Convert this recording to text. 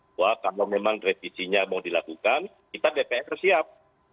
bahwa kalau memang revisinya mau dilakukan kita dpr siap